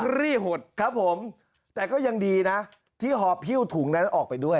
รี่หดครับผมแต่ก็ยังดีนะที่หอบฮิ้วถุงนั้นออกไปด้วย